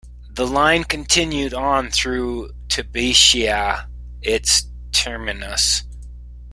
The line continued on through to Bishia its terminus.